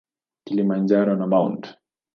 Kilimanjaro na Mt.